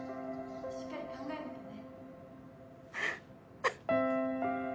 しっかり考えなきゃね。